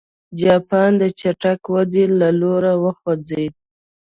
جاپان د چټکې ودې په لور وخوځېد.